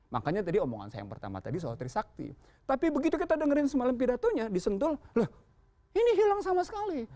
makanya tadi omongan saya yang pertama tadi soal trisakti tapi begitu kita dengerin semalam pidatonya disentul loh ini hilang sama sekali